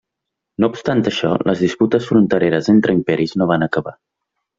No obstant això, les disputes frontereres entre imperis no van acabar.